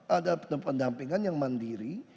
ada pendampingan yang mandiri